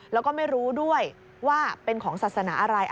แล้วก็ไม่รู้ด้วยว่าเป็นของศาสนาอะไร